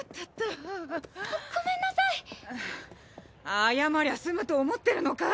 謝りゃ済むと思ってるのかい？